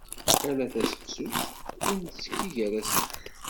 Ala taseqsut, ur nettkki gar-asen.